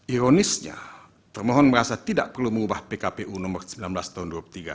ironisnya termohon merasa tidak perlu mengubah pkpu nomor sembilan belas tahun dua ribu tiga